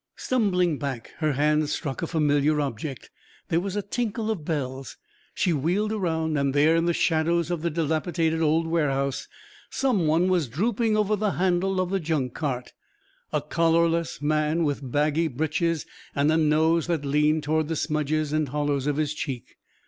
Stumbling back, her hand struck a familiar object. There was a tinkle of bells. She wheeled around, and there in the shadows of the dilapidated old warehouse someone was drooping over the handle of the junk cart a collarless man with baggy breeches and a nose that leaned toward the smudges and hollows of his cheek.